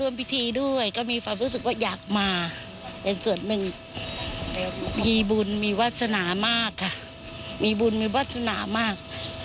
มีวัฒนามากค่ะมีบุญมีวัฒนามาก